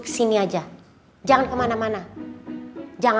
setelah yang sekarang